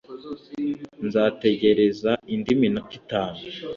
nzategereza indi minota itanu